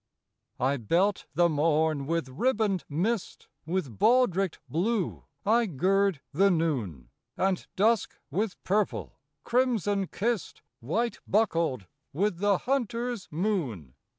"I belt the morn with ribboned mist; With baldricked blue I gird the noon, And dusk with purple, crimson kissed, White buckled with the hunter's moon.